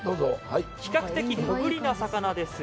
比較的、小ぶりな魚です。